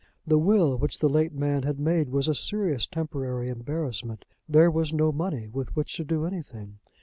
The will which the late man had made was a serious temporary embarrassment. There was no money with which to do anything.